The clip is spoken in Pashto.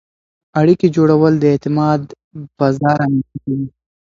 اړیکې جوړول د اعتماد فضا رامنځته کوي.